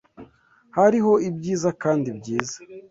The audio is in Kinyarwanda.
Hariho ibyiza kandi byiza;